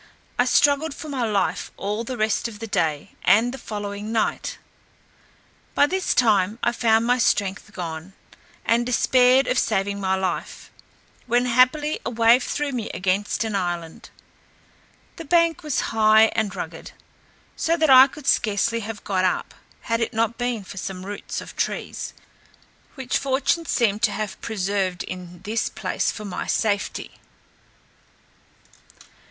I struggled for my life all the rest of the day and the following night. By this time I found my strength gone, and despaired of saving my life, when happily a wave threw me against an island, The bank was high and rugged; so that I could scarcely have got up, had it not been for some roots of trees, which fortune seemed to have preserved in this place for my safety.